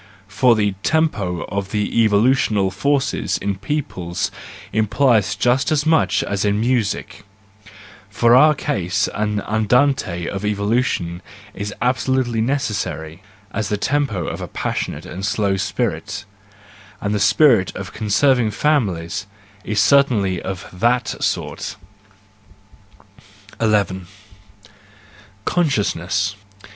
For the tempo of the evolutional forces in peoples implies just as much as in music; for our case an andante of THE JOYFUL WISDOM, I 4 7 evolution is absolutely necessary, as the tempo of a passionate and slow spirit:—and the spirit of con¬ serving families is certainly of that sort. ii. Consciousness